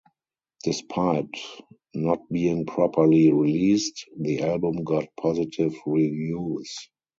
Despite not being properly released, the album got positive reviews.